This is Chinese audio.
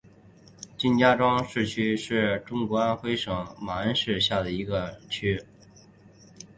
金家庄区原是中国安徽省马鞍山市下辖的一个区。